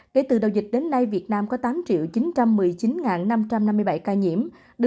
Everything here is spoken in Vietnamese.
kể từ đầu dịch đến nay việt nam có tám chín trăm một mươi chín năm trăm năm mươi bảy ca nhiễm